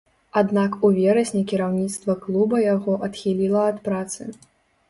Аднак у верасні кіраўніцтва клуба яго адхіліла ад працы.